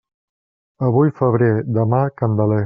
Avui febrer, demà Candeler.